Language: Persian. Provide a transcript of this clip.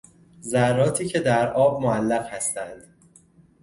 ذراتی که در آب معلق هستند